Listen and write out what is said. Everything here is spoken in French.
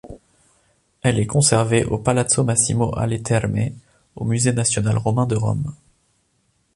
Elle est conservée au Palazzo Massimo alle Terme, au Musée national romain de Rome.